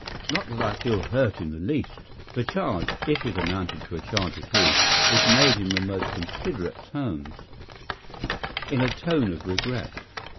Not that I feel hurt in the least. The charge—if it amounted to a charge at all—was made in the most considerate terms; in a tone of regret.